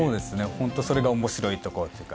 ホントそれが面白いところというか。